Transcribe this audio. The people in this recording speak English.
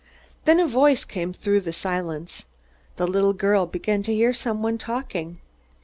Then a voice came through the silence. The little girl began to hear someone talking.